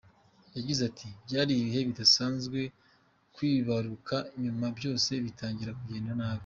Yagize ati "Byari ibihe bidasanzwe kwibaruka nyuma byose bitangira kugenda nabi.